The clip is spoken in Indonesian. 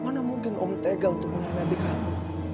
mana mungkin om tega untuk menghanati kamu